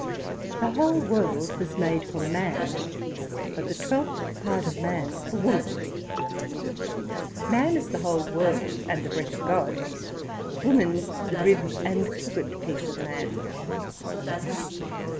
The whole World was made for man, but the twelfth part of man for woman: Man is the whole World, and the Breath of God; Woman the Rib and crooked piece of man.